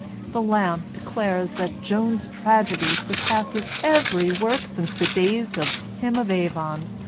The Lamp declares that Jones's tragedy sur passes every work since the days of Him of Avon."